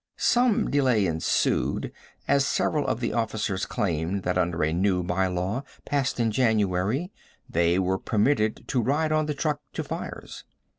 Some delay ensued, as several of the officers claimed that under a new bylaw passed in January they were permitted to ride on the truck to fires.